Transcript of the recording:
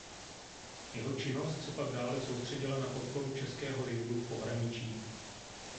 Jeho činnost se pak dále soustředila na podporu českého živlu v pohraničí.